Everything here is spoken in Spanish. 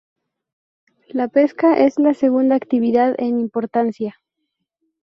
La pesca es la segunda actividad en importancia.